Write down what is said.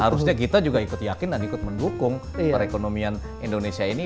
harusnya kita juga ikut yakin dan ikut mendukung perekonomian indonesia ini